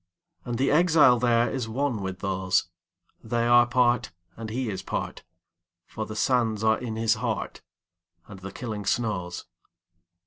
And the exile thereIs one with those; They are part, and he is part, For the sands are in his heart, And the killing snows.